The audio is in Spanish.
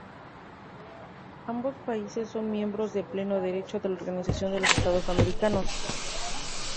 Ambos países son miembros de pleno derecho de la Organización de los Estados Americanos.